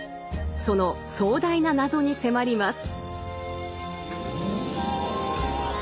その壮大な謎に迫ります。